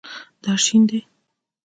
دا شین دی